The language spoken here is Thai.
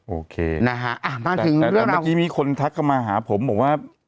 โอเคนะฮะแต่เมื่อกี้มีคนทักเข้ามาหาผมบอกว่า